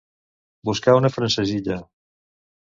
Buscar una francesilla.